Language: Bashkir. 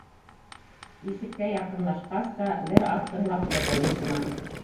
Ишеккә яҡынлашҡас та, бер аҙ тыңлап торҙо лейтенант.